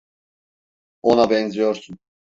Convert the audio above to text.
Ona benziyorsun.